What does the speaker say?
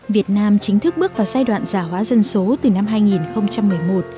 việt nam chính thức bước vào giai đoạn già hóa dân số từ năm hai nghìn một mươi một